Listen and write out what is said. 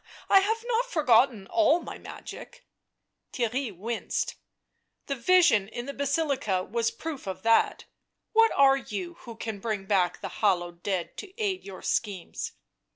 " I have not forgot all my magic." Theirry winced. " The vision in the Basilica was proof of that — what are you who can bring back the hallowed dead to aid your schemes